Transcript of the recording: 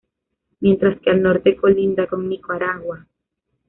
Mientras que al norte colinda con Nicaragua.